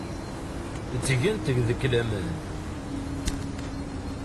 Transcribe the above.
Ttgent deg-k laman.